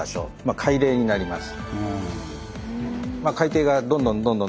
海嶺になります。